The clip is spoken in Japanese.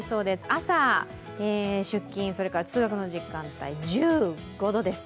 朝、出勤、それから通学の時間帯、１５度です。